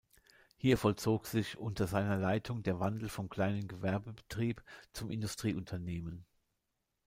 Hier vollzog sich unter seiner Leitung der Wandel vom kleinen Gewerbebetrieb zum Industrieunternehmen.